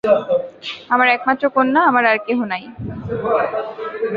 আমার একমাত্র কন্যা, আমার আর কেহ নাই।